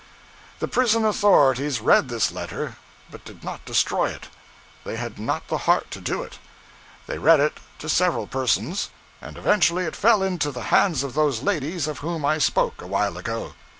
The prison authorities read this letter, but did not destroy it. They had not the heart to do it. They read it to several persons, and eventually it fell into the hands of those ladies of whom I spoke a while ago.